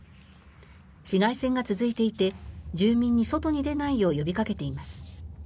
市街戦が続いていて住民に外に出ないよう呼びかけています。